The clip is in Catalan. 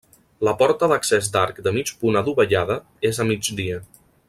La porta d'accés d'arc de mig punt adovellada és a migdia.